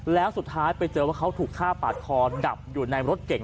แล้วสุดท้ายไปเจอว่าเขาถูกฆ่าปาดคอดับอยู่ในรถเก่ง